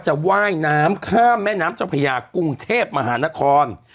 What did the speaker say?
ว่ายน้ำข้ามแม่น้ำเจ้าพญากรุงเทพมหานคร